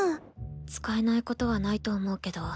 使えないことはないと思うけど。